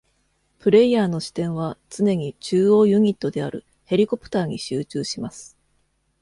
プレイヤーの視点は常に中央ユニットであるヘリコプターに集中します。